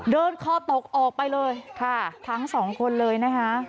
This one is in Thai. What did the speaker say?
คอตกออกไปเลยค่ะทั้งสองคนเลยนะคะ